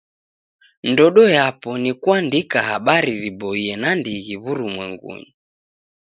Ndodo yapo ni kuandika habari riboie nandighi w'urumwengunyi.